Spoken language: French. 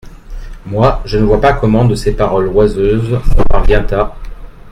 Moi, je ne vois pas comment, de ces paroles oiseuses, on parvient à…